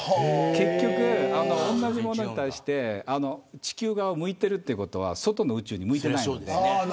結局、同じものに対して地球側を向いているということは外の宇宙に向いていないので。